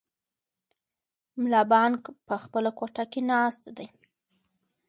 ملا بانګ په خپله کوټه کې ناست دی.